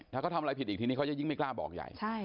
ถ้าเขาทำอะไรผิดอีกทีนี้เขาจะยิ่งไม่กล้าบอกใหญ่